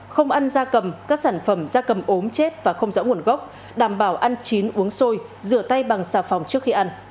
không ăn da cầm các sản phẩm da cầm ốm chết và không rõ nguồn gốc đảm bảo ăn chín uống sôi rửa tay bằng xà phòng trước khi ăn